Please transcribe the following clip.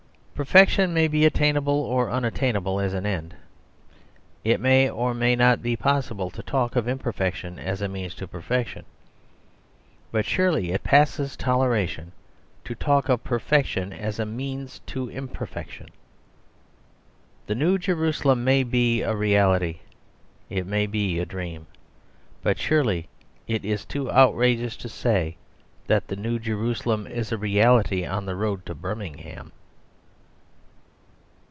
Perfection may be attainable or unattainable as an end. It may or may not be possible to talk of imperfection as a means to perfection. But surely it passes toleration to talk of perfection as a means to imperfection. The New Jerusalem may be a reality. It may be a dream. But surely it is too outrageous to say that the New Jerusalem is a reality on the road to Birmingham.